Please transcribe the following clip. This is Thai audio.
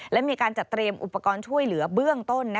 และมีการจัดเตรียมอุปกรณ์ช่วยเหลือเบื้องต้น